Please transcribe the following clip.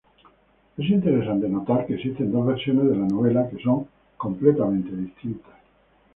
Es interesante notar que existen dos versiones de la novela que son completamente distintas.